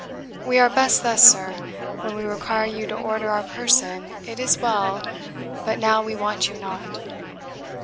"We are best thus, sir; when we require you to order our person, it is well, but now we want you not."